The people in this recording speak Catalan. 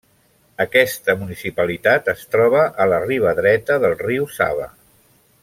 Aquesta municipalitat es troba a la riba dreta del riu Sava.